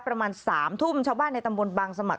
ประมาณ๓ทุ่มชาวบ้านในตำบลบางสมัคร